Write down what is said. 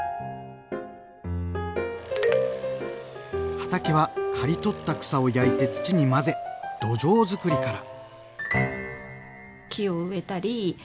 畑は刈り取った草を焼いて土に混ぜ土壌づくりから。